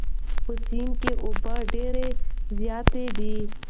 په سیند کې اوبه ډېرې زیاتې دي.